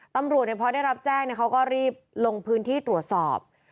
ตำรวจพอได้รับแจ้งเขาก็รีบลงพื้นที่ตรวจสอบ